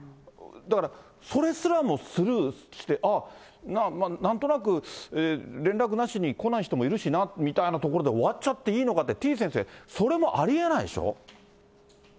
だからそれすらもスルーして、ああ、なんとなく連絡なしに来ない人もいるしなみたいなところで終わっちゃっていいのかって、てぃ先生、いや、ありえないです。